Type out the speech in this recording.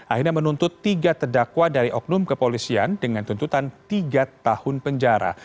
akhirnya menuntut tiga terdakwa dari oknum kepolisian dengan tuntutan tiga tahun penjara